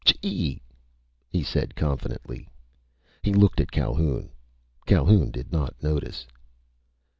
"Chee!" he said confidently. He looked at Calhoun. Calhoun did not notice.